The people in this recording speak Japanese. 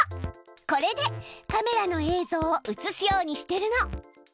これでカメラの映像を映すようにしてるの。